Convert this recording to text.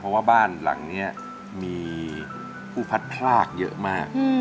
เพราะว่าบ้านหลังนี้มีผู้พัดพลากเยอะมาก